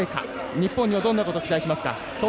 日本にはどんなこと期待しますか？